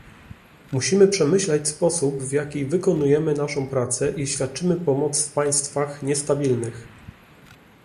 musimy przemyśleć sposób, w jaki wykonujemy naszą pracę i świadczymy pomoc w państwach niestabilnych